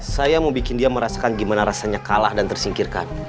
saya mau bikin dia merasakan gimana rasanya kalah dan tersingkirkan